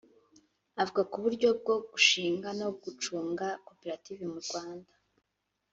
Avuga ku buryo bwo gushinga no gucunga koperative mu Rwanda